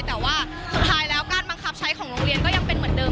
แต่ว่าสุดท้ายแล้วการบังคับใช้ของโรงเรียนก็ยังเป็นเหมือนเดิม